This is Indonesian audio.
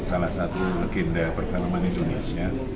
salah satu legenda perfilman indonesia